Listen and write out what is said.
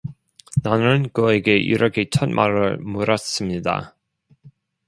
나는 그에게 이렇게 첫 말을 물었습니다.